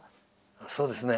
そうですね。